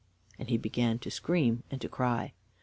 And he began to scream and to cry.